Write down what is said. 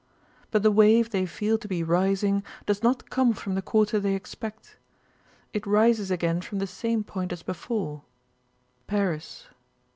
But the wave they feel to be rising does not come from the quarter they expect. It rises again from the same point as before—Paris.